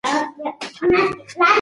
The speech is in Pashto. ښځه هره ورځ خپل پښې تر اوږو پورې هسکوي.